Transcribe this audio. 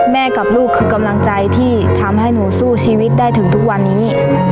กับลูกคือกำลังใจที่ทำให้หนูสู้ชีวิตได้ถึงทุกวันนี้